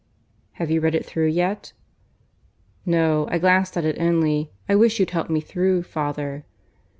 "Have you read it through yet?" "No, I glanced at it only. I wish you'd help me through, father."